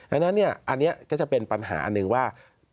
ดังนั้นอันนี้ก็จะเป็นปัญหาอันหนึ่งว่า